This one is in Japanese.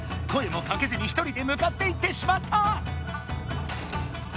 声もかけずに１人で向かっていってしまった！